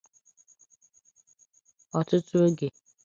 Ọtụtụ oge